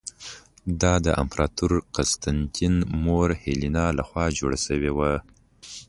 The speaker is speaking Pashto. دا د امپراتور قسطنطین مور هیلینا له خوا جوړه شوې وه.